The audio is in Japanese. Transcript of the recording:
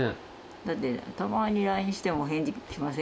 だってたまにＬＩＮＥしても返事来ませんから。